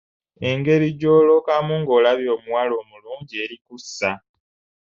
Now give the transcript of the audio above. Engeri gy'olookamu ng'olabye omuwala omulungi eri kussa.